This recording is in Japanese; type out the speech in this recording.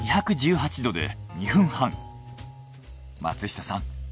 ２１８℃で２分半松下さん